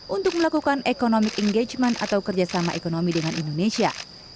untuk melakukan economic engagement atau kerjasama ekonomi dengan indonesia